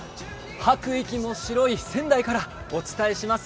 吐く息も白い仙台からお伝えします。